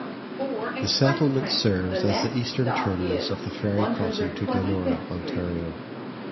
The settlement serves as the eastern terminus of the ferry crossing to Glenora, Ontario.